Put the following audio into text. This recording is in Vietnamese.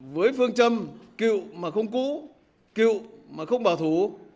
với phương châm cựu mà không cũ cựu mà không bảo thủ